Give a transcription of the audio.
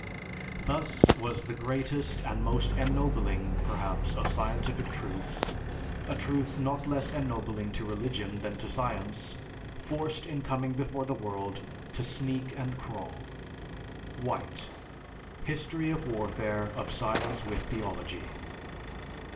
"Thus was the greatest and most ennobling, perhaps, of scientific truths a truth not less ennobling to religion than to science forced in coming before the world, to sneak and crawl." (_White: "History of Warfare of Science with Theology."